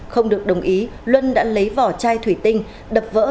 không được đồng ý luân đã lấy vỏ chai thủy tinh đập vỡ